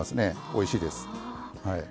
おいしいです。